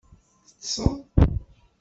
Teṭṭseḍ?